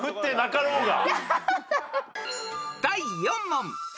［第４問］